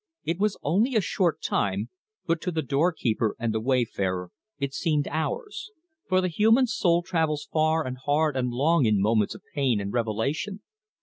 It was only a short time, but to the door keeper and the wayfarer it seemed hours, for the human soul travels far and hard and long in moments of pain and revelation.